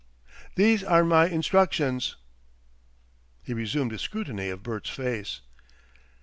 These are my instructions." He resumed his scrutiny of Bert's face.